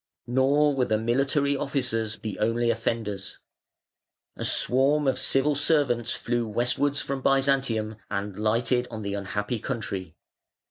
Nor were the military officers the only offenders. A swarm of civil servants flew westwards from Byzantium and lighted on the unhappy country.